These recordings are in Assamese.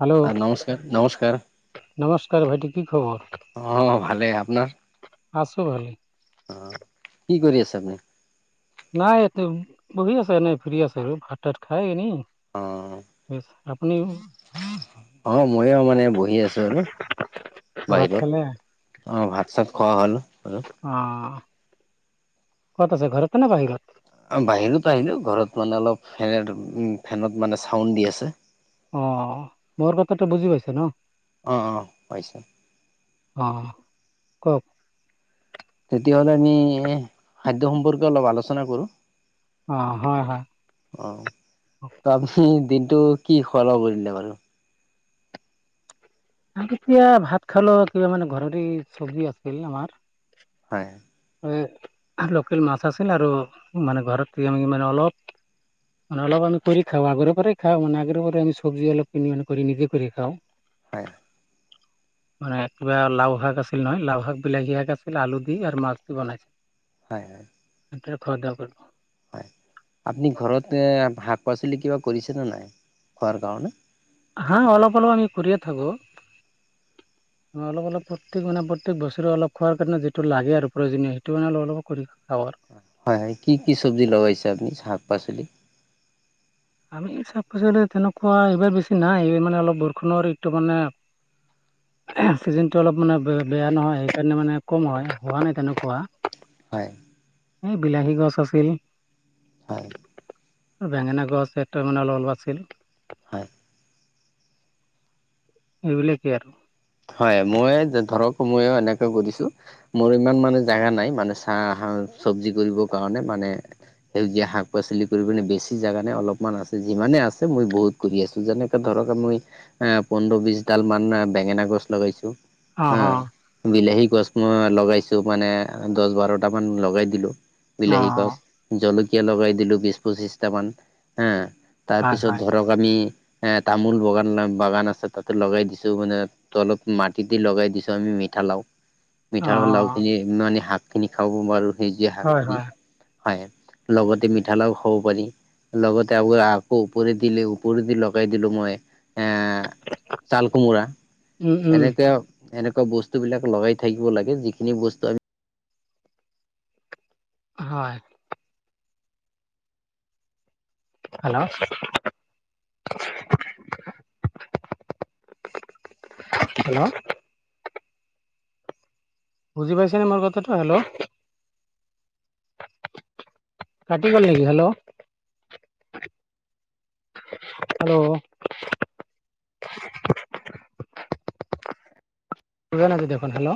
হেল্ল' নমস্কাৰ! নমস্কাৰ ভাইটি কি খবৰ অ' ভালেই আপোনাৰ? আছো ভালে। অ' কি কৰি আছে আপুনি? নাই ইয়াতে বহি আছো এনে ফুৰি আছিলো ভাত তাত খাই এনেই। অ'। [unintelligible] আপুনি অ' ময়ো মানে বহি আছো আৰু। ভাত খালে বাহিৰত অ' ভাত চাত খোৱা হ'ল আৰু। অ'। ক'ত আছা ঘৰত নে বাহিৰত? আ, বাহিৰত আহিলোঁ ঘৰত মানে অলপ ফেন ফেনত মানে চাউণ্ড দি আছে। অ, মোৰ কথাটো বুজি পাইছে ন। অ, হৈছে। অ, কওক তেতিয়াহ'লে আমি খাদ্য সম্পৰ্কে অলপ আলোচনা কৰোঁ। অ। [unintelligible] অ, ত আপুনি দিনটো কি খোৱা লোৱা কৰিলা বাৰু? এতিয়া ভাত খালো কিবা মানে ঘৰৰে চব্জি আছিল আমাৰ। হয়। এ লোকেল মাছ আছিল আৰু মানে ঘৰত আমি মানে অলপ মানে অলপ আমি কৰি খাওঁ আগৰ পৰাই খাওঁ মান আগৰ পৰাই আমি চবজি অলপ [unintelligible] কৰি নিজে কৰি খাওঁ। হয়। মানে কিবা লাউ শাক আছিল নহয় লাউ শাক বিলাহী শাক আছিল আলু দি আৰু মাছ [unintelligible] বনাইছে। হয় হয়। [unintelligible] কৰিব। হয় আপুনি ঘৰত শাক পাচলি কিবা কৰিছেনে নাই খোৱাৰ কাৰণে? হা, অলপ অলপ আমি কৰিয়ে থাকোঁ। [inaudible] অলপ অলপ প্ৰত্যেক মানে প্ৰত্যেক বছৰে অলপ খোৱাৰ কাৰণে যিটো লাগে আৰু প্ৰয়োজনীয় সেইটো কাৰণে ললোঁ। অলপ অলপ কৰি [unintelligible] হয়-হয় কি কি চব্জি লগাইছা তুমি শাক পাচলি? আমি শাক পাচলি তেনেকুৱা এইবাৰ বেছি নাই এইবাৰ মানে অলপ বৰষুণৰ এইটো মানে [inaudible] ছিজনটো অলপ মানে ব বেয়া নহয়। সেইকাৰণে মানে কম হয়। হোৱা নাই তেনেকুৱা। হয়। এই বিলাহী গছ আছিল। হয় বেঙেনা গছ। হেইটো মানে অলপ অলপ আছিল। হয় এইবিলাকেই আৰু হয়, মই ধৰক মইয়ো এনেকে কৰিছোঁ। মোৰ ইমান মানে জেগা নাই। মানে চাহ চবজি কৰিবৰ কাৰণে মানে সেউজীয়া শাক পাচলি কৰিবলৈ বেছি জাগা নাই। অলপমান আছে। যিমানে আছে মই বহুত কৰি আছোঁ। যেনেকে ধৰক‌ মই এহ পোন্ধৰ বিশ ডাল মান বেঙেনা গছ লগাইছো। হা অহ অহ বিলাহী গছ মই লগাইছো। মানে দছ বাৰটা মান লগাই দিলোঁ। অ অ বিলাহী গছ। জলকীয়া লগাই দিলোঁ বিচ পঁচিশ টা মান হা, হয় তাৰপিচত হয় ধৰক আমি এহ তামোল বাগান বাগান আছে। তাতে লগাই দিছোঁ। মানে তলত মাটি দি লগাই দিছোঁ। আমি মিঠা লাও অ মিঠা লাওখিনি মানে শাক খিনি খাব পাৰোঁ। সেইজীয়া শাক হয় খিনি হয় হয়, লগতে মিঠালাও খাব পাৰি। লগতে আকৌ, আকৌ ওপৰে দিলেও ওপৰেদি লগাই দিলো মই, এহ চাল কোমোৰা উম উম এনেকে এনেকুৱা বস্তুবিলাক লগাই থাকিব লাগে। যিখিনি বস্তু আমি হয়। হেল্ল। হেল্ল। বুজি পাইছে নে? মোৰ কথাটো হেল্ল কাটি গল নেকি, হেল্ল। হেল্ল। বুজা নাই দেখোন। হেল্ল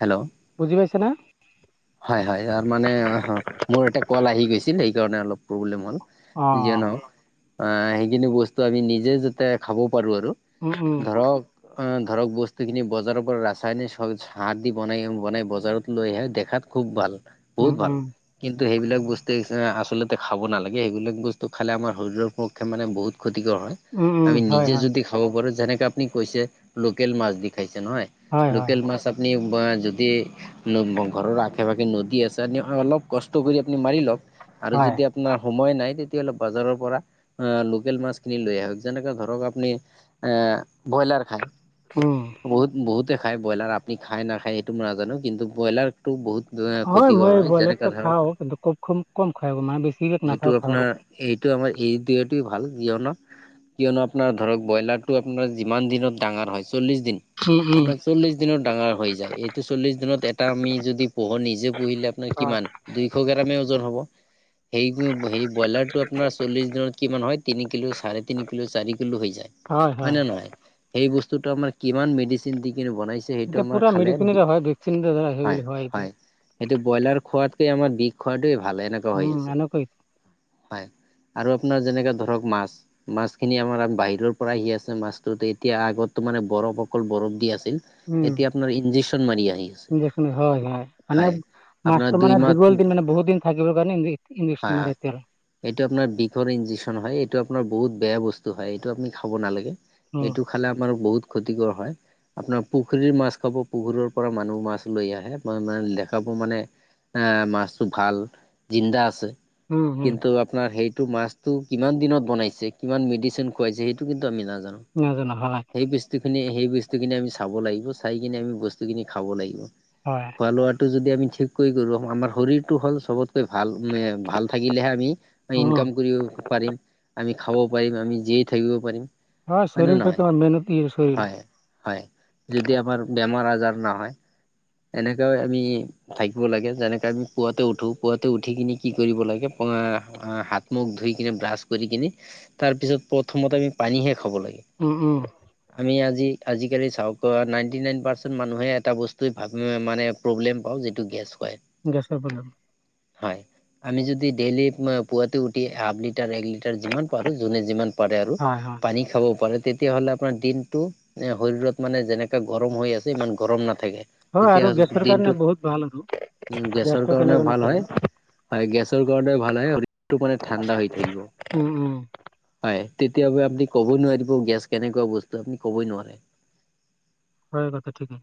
হেল্ল বুজি পাইছানা? হয় হয়। তাৰ মানে অহ, মোৰ এটা কল আহি গৈছিল। সেই কাৰণে অলপ প্ৰব্লেম হল। অ যিয়ে নহক, আহ সেইখিনি বস্তু আমি নিজে যাতে খাব পাৰোঁ আৰু উম উম ধৰক অহ ধৰক বস্তুখিনি বজাৰৰ পৰা ৰাসায়নিক সাৰ দি বনাই বনাই বজাৰত লৈ আহে। দেখাত খুব ভাল উম বহুত ভাল। উম কিন্তু সেইবিলাক বস্তু আচলতে খাব নালাগে। সেইবিলাক বস্তু খালে আমাৰ শৰীৰৰ পক্ষে মানে বহুত ক্ষতিকৰ হয়। উম উম আমি হয় নিজে হয় যদি খাব পাৰোঁ, যেনেকে আপুনি কৈছে লোকেল মাছ দি খাইছে নহয়। হয় হয় লোকেল মাছ আপুনি যদি ঘৰৰ কেবাকে নদী আছে‌। তেনেহলে অলপ কষ্ট কৰি আপুনি মাৰি লওক আৰু হয় যদি নাই সময় নাই। তেতিয়াহলে বাজাৰৰ পৰা আহ লোকেল মাছ কিনি লৈ আহক যেনেকে ধৰক আপুনি এহ ব্ৰইলাৰ খায়। উম। বহুত বহুতে খাই ব্ৰইলাৰ আপুনি খাই নাখায় এইটো মই নাজানো। কিন্তু ব্ৰইলাৰটো বহুত হয়, ক্ষতিকৰ মই যেনেকা ব্ৰইলাৰটো ধৰক খাওঁ। কিন্তু খুব খুব কম খাই মানে বেছি এইটো নাখাওঁ আপোনাৰ আৰু এইটো আমাৰ এই এইটোৱেটো ভাল কিয়নো কিয়নো আপোনাৰ ধৰক ব্ৰইলাৰটো আপোনাৰ যিমান দিনত ডাঙৰ হয়। চল্লিশ দিন উম উম আপোনাৰ চল্লিশ দিনত ডাঙৰ হৈ যায় এইটো চল্লিশ দিনত এটা আমি যদি পোহৰ নিজে পুহিলে আপোনাৰ হয় কিমান দুইশ গ্ৰামে ওজন হ'ব। হেৰি হেৰি ব্ৰইলাৰটো আপোনাৰ চল্লিছ দিনত কিমান হয় তিনি কিলো চাৰে তিনি কিলো চাৰি কিলো হৈ যায়। হয় নে নহয়। সেই বস্তুটো আমাৰ কিমান মেডিচিন দি কিনে বনাইছে। সেইটো এতিয়া আমাৰ পুৰা খালে মেডিচিনেৰে হয়। ভেকচিন ধ হয়। এইবিলাক এইটো ব্ৰইলাৰ খোৱাতকে আমাৰ বিধ খোৱাতোৱে ভাল এনেকুৱা হৈ উম আছে, এনেকৈ হয়। আৰু আপোনাৰ যেনেকে ধৰক মাছ মাছখিনি আমাৰ বাহিৰৰ পৰা আহি আছে মাছটোত এতিয়া আগতো মানে বৰফ অকল বৰফ দি আছিল এতিয়া আপোনাৰ ইনজেকচন মাৰি আহিছে এখন হয় হয় মানে আপোনাৰ মাছটো মানে দুই মাহ দীঘল দিন মানে বহুত দিন থাকিবৰ কাৰণে ইংলিছ হয় হয় মাৰে এতিয়া এইটো আপোনাৰ বিষৰ ইনজেকচন হয় এইটো আপোনাৰ বহুত বেয়া বস্তু হয় এইটো আপুনি খাব নালাগে উম এইটো খালে আমাৰ বহুত ক্ষতিকৰ হয় আপোনাৰ পুখুৰীৰ মাছ খাব পুখুৰীৰ পৰা মানুহ মাছ লৈ আহে মানে দেখাব মানে এ মাছটো ভাল জিন্দা আছে উম উম কিন্তু আপোনাৰ সেইটো মাছ টো কিমান দিনত বনাইছে কিমান মেডিচিন খোৱাইছে সেইটো কিন্তু আমি নাজানো নাজানো হয় সেই বস্তুখিনি সেই বস্তুখিনি আমি চাব লাগিব চাই কিনে আমি বস্তুখিনি খাব লাগিব হয় খোৱা লোৱাটো যদি আমি ঠিক কৰি কৰো আমাৰ শৰীৰটো হ'ল চবতকৈ ভাল মে ভাল থাকিলেহে আমি আমি উম ইনকাম কৰিব পাৰিম আমি খাব পাৰিম আমি জীয়াই থাকিব পাৰিম হয় নে শৰীৰটো নহয় কিমান মেহনটি আছে হয় হয় যদি আমাৰ বেমাৰ আজাৰ নহয় এনেকৈ আমি থাকিব লাগে যেনেকে আমি পুৱাতে উঠো পুৱাতে উঠি কিনি কি কৰিব লাগে পুৱা আ হাত মুখ ধুই কিনে ব্ৰাছ কৰি কিনি তাৰ পিছত প্ৰথমতে আমি পানীহে খাব লাগে উম উম আমি আজি আজিকালি চাওক নাইনটি নাইন পাৰ্চেন্ট মানুহে এটা বস্তুৱে ভাব উ মানে প্ৰব্লেম পাওঁ যিটো গেছ পায় গেছৰ প্ৰব্লেম হয় আমি যদি ডেইলি পুৱাতে উঠি হাফ লিটাৰ এক লিটা ৰ যিমান পাৰো যোনে যিমান পাৰে আৰু হয় হয় পানী খাবও পাৰে তেতিয়া হ'লে আপোনাৰ দিনটো এ শৰীৰত মানে যেনেকে গৰম হৈ আছে ইমান গৰম নাথাকে হয় তেতিয়া আৰু গেছৰ কাৰণে দিনটোত বহুত ভাল আৰু গেছৰ গেছটো কাৰণেও তেনেকৈ ভাল নাথাকে হয় হয় গেছৰ কাৰণে ভাল হয় শৰীৰটো মানে ঠাণ্ডা হৈ থাকিব উম উম হয় তেতিয়া আপুনি ক'ব নোৱাৰিব গেছ কেনেকোৱা বস্তু আপুনি কবই নোৱাৰে হয় কথা ঠিকে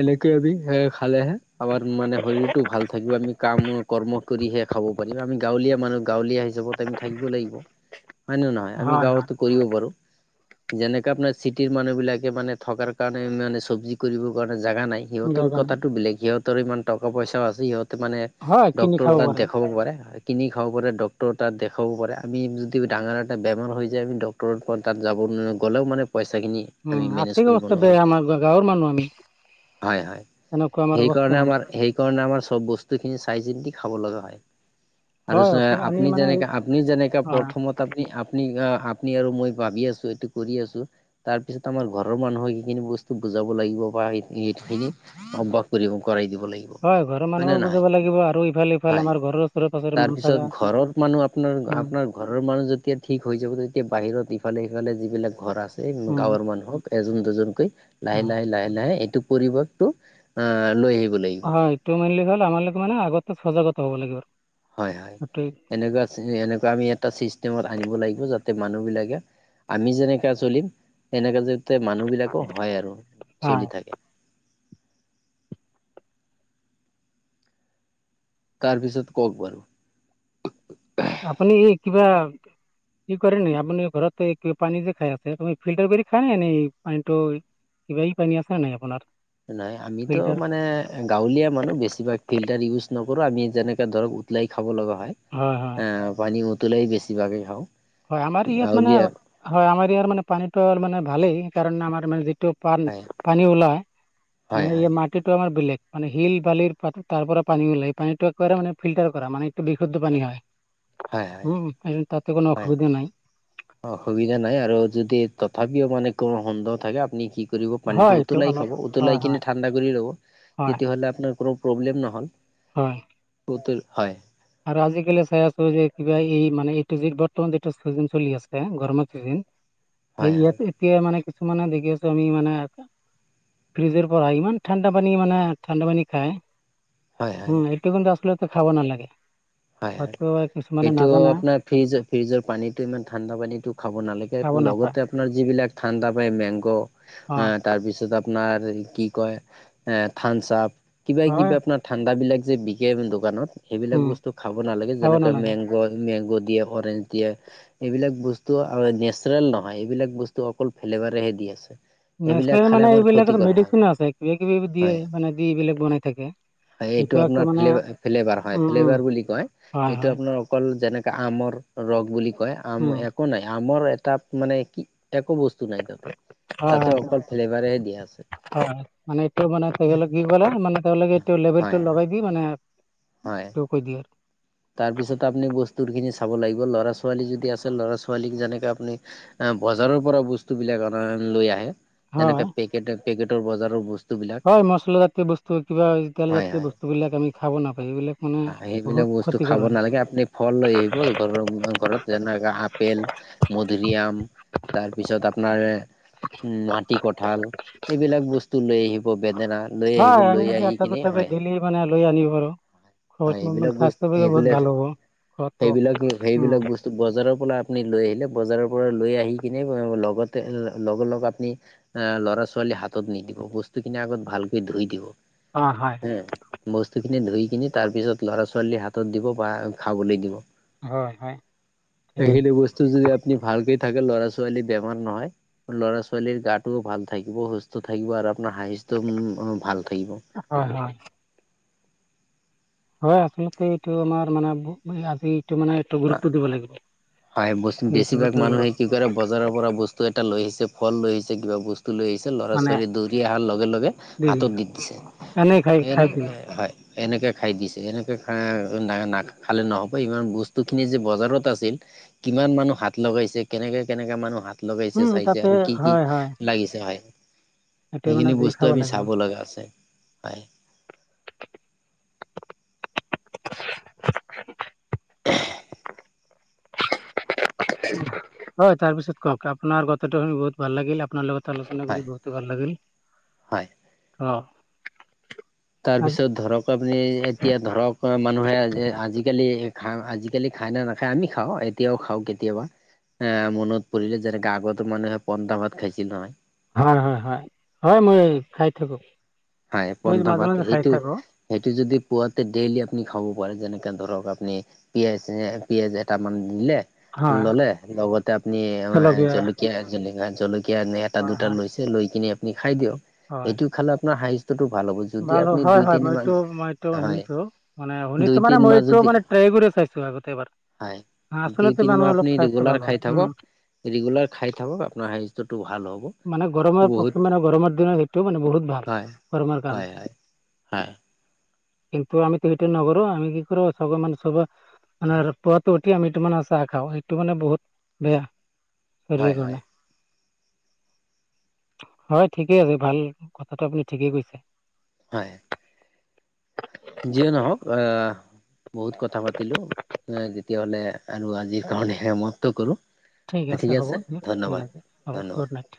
এনেকে আমি সে খালেহে আমাৰ মানে শৰীৰটো ভাল থাকিব আমি কাম কৰ্ম কৰিহে খাব পাৰিম আমি গাঁৱলীয়া মানুহ গাঁৱলীয়া হিচাপত আমি থাকিব লাগিব হয় নে নহয় সেয়া আমি হয় হয় গাৱতো কৰিব পাৰো যেনেকে আপোনাৰ চিটিৰ মানুহ বিলাকে মানে থকাৰ কাৰণে মানে চব্জি কৰিব কাৰণে জেগা নাই সিহঁতৰ সেইকাৰণে কথাটো বেলেগ সিহঁতৰ ইমান টকা পইচাও আছে সিহঁতে মানে হয় কিনি ডক্তৰ খাব তাত পাৰে দেখাব পাৰে কিনি খাব পাৰে ডক্তৰ তাত দেখাব পাৰে আমি যদি ডাঙৰ এটা বেমাৰ হৈ যায় আমি ড তাত যাবলৈ গ'লেও মানে পইচাখিনি আমি উম মেনেজ আৰ্থিক কৰিব অৱস্থা বেয়া নোৱাৰোঁ আমাৰ গাঁৱৰ মানুহ আমি হয় হয় তেনেকুৱা আমাৰ অৱস্থা সেইকাৰণে নাই আমাৰ সেইকাৰণে আমাৰ চব বস্তুখিনি চাই চিন্তি খাব লগা হয় আৰু হয় চোৱা অকল আমি আপুনি মানে হয় যেনেকা আপুনি যেনেকা প্ৰথমত তাপানি আপনি আপনি আৰু মই ভাবি আছো এইটো কৰি আছো তাৰ পিছত আমাৰ ঘৰৰ মানুহক সেইখিনি বস্তু বুজাব লাগিব বা সেই এইটো খিনি অভ্যাস কৰিব কৰাই দিব লাগিব। ঘৰৰ হয় মানুহো না নহয়? বুজাব লাগিব আৰু ইফালে ইফালে হয় আমাৰ ঘৰৰ ওচৰে পাজৰে মানুহ তাৰপিছত থাকা ঘৰত মানুহ আপোনাৰ উম আপোনাৰ ঘৰৰ মানুহ যেতিয়া ঠিক হৈ যাব তেতিয়া বাহিৰত ইফালে সিফালে যিবিলাক ঘৰ আছে উম গাঁৱৰ মানুহক এজন দুজনকৈ লাহে হয় লাহে লাহে লাহে এইটো পৰিৱেশটো অ লৈ আহিব লাগিব এইটো মানিলে হল আমাৰলোকে মানে আগতে সজাগত হব লাগিব। হয় হয় সেইটোৱে এনেকুৱা এনেকুৱা আমি এটা চিষ্টেমত আনিব লাগিব যাতে মানুহবিলাকে আমি যেনেকে চলিম তেনেকা যতে মানুহ বিলাকো হয় আৰু হয়। চলি থাকে। তাৰপিছত কওক বাৰু। আপুনি কিবা কি কৰে নি আপুনি ঘৰতে কিবা পানী যে খাই আছে, তুমি ফিল্টাৰ কৰি খাই নে এনেই পানীটো কিবাই পানী আছেনে নাই আপোনাৰ? নহয় আমিতো ফিল্টাৰ মানে গাঁৱলীয়া মানুহ বেছিভাগ ফিল্টাৰ ইউজ নকৰোঁ, আমি যেনেকে ধৰক উতলাই খাব লগা হয়। হয় হয়। আহ পানী উতুলাই বেছিভাগে খাওঁ। হয় আমাৰ ইয়াত মানে গাঁৱলীয়া হয় আমাৰ ইয়াৰ মানে পানীতটো মানে ভালেই কাৰণ আমাৰ মানে যিটো পান হয় পানী ওলাই হয় হয় মানে ই মাট টো আমাৰ বেলেগ, মানে শিল বালিৰ পাত তাৰ পৰা পানী ওলাই পানীটো একেবাৰে মানে ফিল্টাৰ কৰা, মানে বিশুদ্ধ পানী হয়। হয় হয় উম, এই তাতে কোনো হয়। অসুবিধা নাই অসুবিধা নাই আৰু যদি তথাপিও মানে কো সুন্দৰ থাকে আপুনি কি কৰিব হয় পানীটো এইটো উতলাই অলপ খাব, হয় উতলাই হয় কিনে ঠাণ্ডা কৰি লব, হয় তেতিয়া হলে আপোনাৰ কোনো প্ৰব্লেম নহল। হয়। ভৌতিৰ হয়। আৰু আজিকালি চাই আছো যে কিবা এই মানে এইটো যি বৰ্তমান এইটো চিজন চলি আছে, গৰমৰ চিজিন হয় হয় ইয়াত এতিয়া মানে কিছুমানে দেখি আছো আমি মানে ফ্ৰিজৰ পৰা ইমান ঠাণ্ডা পানী মানে ঠাণ্ডা পানী খায়। হয় হয় উম হয় এই কন্তা আচলতে খাব নালাগে। হয় হয়তো এক এইটো আপোনাৰ ফ্ৰিজ ফ্ৰিজৰ পানীতটো ইমান ঠাণ্ডা পানীতটো খাব নালাগে, খাব নাপায় লগত আপোনাৰ যিবিলাক ঠাণ্ডা পায় মেংগ অ অ তাৰপিছত আপ আপোনাৰ কি কয় এ থানচাপ কিবা হয় কিবা আপোনাৰ ঠাণ্ডাবিলাক যে বিকে দোকানত, সেইবিলাক উম বস্তু খাব নালাগে খাব যেনেকে নালাগে মেংগ মেংগ' দিয়ে অৰেঞজ দিয়ে এইবিলাক বস্তু নেচাৰেল নহয়, এইবিলাক বস্তু অকল ফেলেবাৰেহে দি আছে। সেইবিলাক নেচাৰেল খালে মানে আমাৰ এইবিলাক ক্ষতিকৰ হয় মেডিচিন আছে কিবা কিবি দিয়ে, হয় মানে দি এইবিলাক বনাই থাকে। হয় এইটো আপোনাৰ একদম মানে ফ্লেভাৰ হয় উম উম ফ্লেভাৰ বুলি কয়। হয় এইটো হয় আপোনাৰ অকল যেনেকে আমৰ ৰস বুলি কয় আম উম এক একো নাই আমাৰ এটা মানে কি একো বস্তু নাই তাতে। হয় তাতে হয় অকল ফ্লেভাৰেহে দিয়া আছে। হয় মানে এইটো মানে কি কলে মানে তেওঁলোকে এইটো লেবেলটো হয় লগাই দি মানে হয়। টো কৈ দিয়ে। তাৰপিছত আপুনি বস্তুৰখিনি চাব লাগিব ল'ৰা ছোৱালী যদি আছে ল'ৰা ছোৱালীক যেনেকে আপুনি অ বজাৰৰ পৰা বস্তু বিলাক অনা লৈ আহে, হয় যেনেকে পেকেট পেকেটৰ বজাৰৰ বস্ত- হয় মচলা জাতীয় বস্তু কিবা তেল হয় জাতীয় হয় বস্তু বিলাক আমি খাব নাপায়, এইবিলাক মানে সেইবিলাক বহুত বস্তু ক্ষতিকৰ খাব হয় নালাগে, আপুনি ফল লৈ আহিব ঘৰৰ ঘৰত যেনেকা আপেল, মধুুৰিআম তাৰপিছত আপোনাৰ উম, নোৱাটি কঁঠাল এইবিলাক বস্তু লৈ আহিব বেদেনাৰ লৈ আহিব হয় আমি লৈ যদি আহি এটা কিনে দুটাকৈ হয়, ডেইলি মানে লৈ আনিব পাৰো ঘৰত হয়', এইবিলাক স্বাস্থ্য বস্ত- বাবে বহুত সেইবিলাক ভাল হ'ব ঘৰতো সেইবিলাক উম, সেইবিলাক বচ টো বজাৰৰ পৰা আপুনি লৈ আহিলে, বজাৰৰ পৰা লৈ আহি কিনে লগতে লগ-লগ আপনি আহ ল'ৰা- ছোৱালী হাতত নিদিব, বস্তুখিনি আগত ভালকে ধুই দিব। অ হয়। বস্তু খিনি ধুই কিনি তাৰ পিছত ল'ৰা ছোৱালী হাতত দিব বা খাবলৈ দিব। হয় হয় ঠিকেই এইখিনি বস্তু যদি আপুনি ভালকে থাকে ল'ৰা-ছোৱালী বেমাৰ নহয়। ল'ৰা ছোৱালীৰ গাটোও ভাল থাকিব, সুস্থ থাকিব আৰু আপোনাৰ হাহিস্থ উম ভাল থাকিব। হয় হয়। হয় আচলতে এইটো আমাৰ মানে আজি এইটো মানে এইটো গুৰুত্ব দিব লাগিব হয় বস্তু এইটো বেছিভাগ মানুহে বিষয়বোৰত কি কৰে বজাৰৰ পৰা বস্তু এটা লৈ আহিছে, ফল লৈ আহিছে কিবা বস্তু টো লৈ আহিছে মানে ল'ৰা-ছোৱালী দৌৰি অহাৰ লগে লগে হাতত দি দিছে। এনেই খাই খাই সেইটোত দিয়ে হয়। এনেকে খাই দিছে এনেকে খা না- নাখালে নহ'ব ইমান ব বস্তু খিনি যে বজাৰত আছিল, কিমান মানুহ হাত লগাইছে কেনেকে-কেনেকে মানুহ হাত লগাইছে, উম চাইছে তাতে আৰু কি-কি হয় হয় লাগিছে হয়। সেইটো মানে সেইখিনি দি বস্তুএ খাব আমি লাগিব চাব লগা আছে হয়। [inaudible] হয়, তাৰ পিছত ক'ক আপোনাৰ কথাটো শুনি বহুত ভাল লাগিল আপোনাৰ লগত আলোচনা হয় কৰি বহুতো ভাল লাগিল হয় [inaudible] অহ। তাৰপিছত ধৰক আপনি এতিয়া ধৰক মানুহে আজিকালি ঘা আজিকালি খাই না নাখায় আমি খাওঁ, এতিয়াও খাওঁ কেতিয়াবা। এ মনত পৰিলে যেনেকা আগতো মানুহে পনতা ভাত খাইছিল হয়। হয়', হয়', হয়', হয় ', মই খাই থাকো হয় মই পন্থা মাজে ভাত মাজে খাই সেইটো থাকো। সেইটো যদি পুৱাতে ডেইলি আপুনি খাব পাৰে যেনেকে ধৰক আপনি পিয়াজে পিয়াজ এটামান দিলে হয় ললে, লগতে আপুনি এ জলকীয়া -জলকীয়া -জলকীয়া এটা হয় দুটা হয় লৈছে লৈ কিনি আপনি খাই দিয়ক হয় এইটো খালে আপোনাৰ হাহিষ্ট্যটো ভাল হ'ব যদি ভাল আপুনি হয়', দুই হয় ', তিনি মাহ মইতো- মইতো হয় শুনিছো মানে দুই শুনিছো মানে তিনি মাহ মইতটো যদি মানে ট্ৰাই কৰি চাইছো। আগতে এবাৰ হয় দুই আচলতে তিনি মাহ [unintelligible] অলপ আপুনি স্বাস্থ্য ৰেগুলাৰ ভাল খাই হয়। থাকক ৰেগুলাৰ খাই থাকক আপোনাৰ সাহিষ্ট্যটো ভাল হ'ব। মানে গৰমৰ বহুত [unintelligible] মানে গৰমৰ দিনৰ সেইটো মানে বহুত ভাল, হয় গৰমৰ হয় হয় কাৰণে। হয় কিন্তু আমিটো সেইটো নকৰো, আমি কি কৰো চবে মানে চবে মানে পুৱাটো উঠি আমিটো মানে চাহ খাওঁ, এইটো মানে বহুত বেয়া শৰীৰ হয় হয় কাৰণে। হয়, ঠিকেই আছে ভাল কথাটো আপুনি ঠিকেই কৈছে। হয়। যিয়ে নহওঁক আহ বহুত কথা পাতিলোঁ, তেতিয়াহ'লে আৰু আজিৰ কাৰণে সমাপ্ত কৰো। ঠিক ঠিকে হ'ব আছে দিয়ক, ঠিক আছে হ'ব গুড ধন্যবাদ-ধন্যবাদ। নাইট